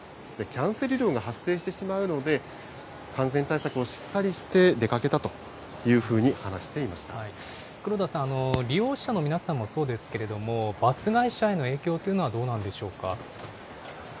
キャンセル料が発生してしまうので、感染対策をしっかりして出か黒田さん、利用者の皆さんもそうですけれども、バス会社への影響というのはどうなんでしょう